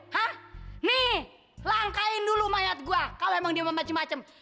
hah nih langkain dulu mayat gue kalo emang dia mau macem macem